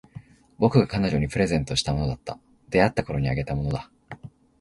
僕が彼女にプレゼントしたものだった。出会ったころにあげたものだ。